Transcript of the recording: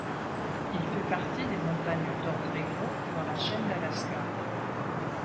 Il fait partie des montagnes Tordrillo, dans la chaîne d'Alaska.